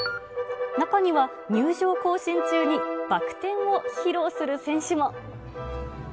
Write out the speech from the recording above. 中には、入場行進中にバク転を披露する選手も。